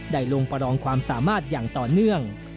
ลงประลองความสามารถอย่างต่อเนื่อง